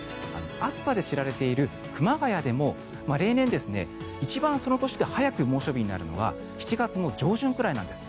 暑さで知られている熊谷でも例年、一番その年で早く猛暑日になるのが７月の上旬くらいなんです。